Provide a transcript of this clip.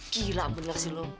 gila bener sih lu